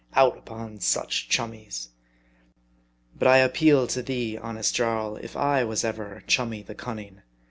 Out upon such chummies ! But I appeal to thee, honest Jarl, if I was ever chummy the cunning.